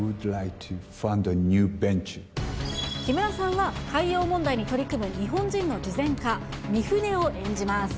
木村さんは、海洋問題に取り組む日本人の慈善家、ミフネを演じます。